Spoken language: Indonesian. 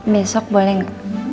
besok boleh nggak